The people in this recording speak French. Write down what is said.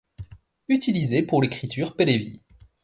Utilisés pour l’écriture pehlevi.